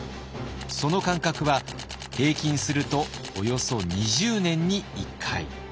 その間隔は平均するとおよそ２０年に１回。